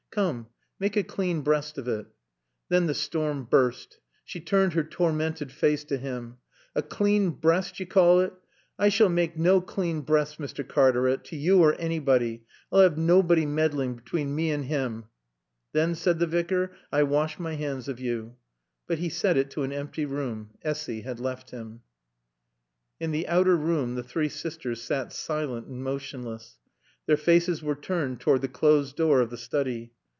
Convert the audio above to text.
"Come, make a clean breast of it." Then the storm burst. She turned her tormented face to him. "A clane breast, yo' call it? I s'all mak' naw clane breasts, Mr. Cartaret, to yo' or anybody. I'll 'ave nawbody meddlin' between him an' mae!" "Then," said the Vicar, "I wash my hands of you." But he said it to an empty room. Essy had left him. In the outer room the three sisters sat silent and motionless. Their faces were turned toward the closed door of the study.